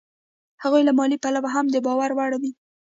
هغوی له مالي پلوه هم د باور وړ دي